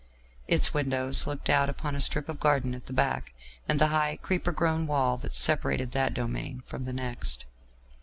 Its windows looked out upon a strip of garden at the back, and the high creeper grown wall that separated that domain from the next.